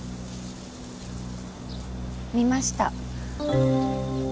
見ました。